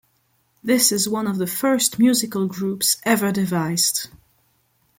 This is one of the first musical groups ever devised.